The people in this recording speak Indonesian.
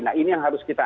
nah ini yang harus kita